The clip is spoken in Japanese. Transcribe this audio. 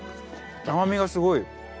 甘みがすごい。